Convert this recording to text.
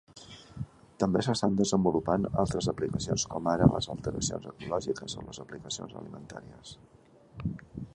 També s'estan desenvolupant altres aplicacions com ara les alteracions ecològiques o les aplicacions alimentàries.